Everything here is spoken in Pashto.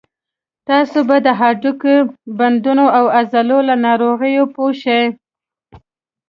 تاسې به د هډوکو، بندونو او عضلو له ناروغیو پوه شئ.